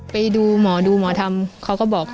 ไปดูหมอดูหมอธรรมเขาก็บอก